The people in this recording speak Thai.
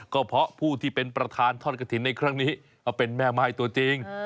ก็เพราะผู้ที่เป็นประธานทอดกระถิ่นในครั้งนี้เอาเป็นแม่ไม้ตัวจริง